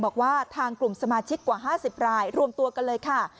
บอกว่าทางกลุ่มสมาชิกกว่า๕๐รายรวมตัวกันเลยค่ะ